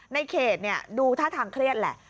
ในเขตดูท่าทางเครียดแหละ